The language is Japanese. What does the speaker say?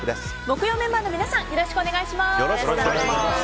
木曜メンバーの皆さんよろしくお願いします。